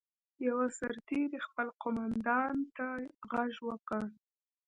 یوه سرتېري خپل قوماندان ته غږ وکړ.